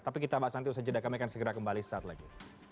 tapi kita bahas nanti usaha jeda kami akan segera kembali saat lagi